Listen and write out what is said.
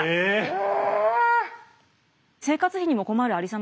え